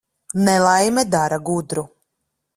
Nelaime dara gudru.